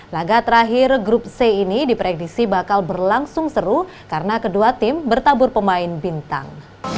laga terakhir grup c ini diprediksi bakal berlangsung seru karena kedua tim bertabur pemain bintang